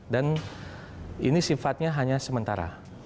dan ini sifatnya hanya sementara